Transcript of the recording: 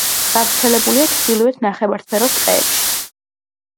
გავრცელებულია ჩრდილოეთ ნახევარსფეროს ტყეებში.